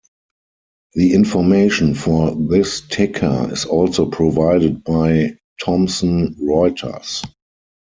The information for this ticker is also provided by Thomson Reuters.